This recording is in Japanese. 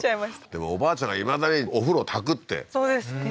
でもおばあちゃんがいまだにお風呂焚くってそうですね